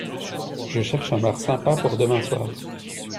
Je cherche un bar sympa pour demain soir.